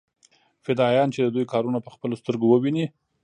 فدايان چې د دوى کارونه په خپلو سترګو وويني.